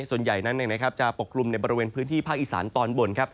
ส่วนใหญ่นั้นจะปกกลุ่มในบริเวณพื้นที่ภาคอีสานตอนบน